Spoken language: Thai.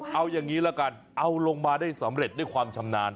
เอาอย่างนี้ละกันเอาลงมาได้สำเร็จด้วยความชำนาญ